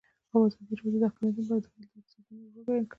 ازادي راډیو د اقلیتونه په اړه د غیر دولتي سازمانونو رول بیان کړی.